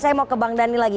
saya mau ke bang daniel lagi